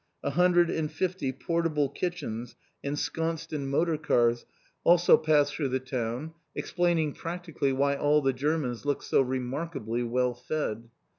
A hundred and fifty portable kitchens ensconced in motor cars also passed through the town, explaining practically why all the Germans look so remarkably well fed.